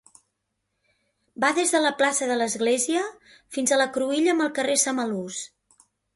Va des de la plaça de l'església fins a la cruïlla amb el carrer Samalús.